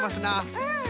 うん！